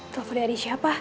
telepon dari siapa